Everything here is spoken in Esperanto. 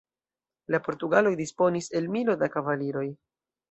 La portugaloj disponis el milo da kavaliroj.